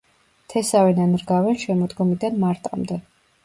თესავენ ან რგავენ შემოდგომიდან მარტამდე.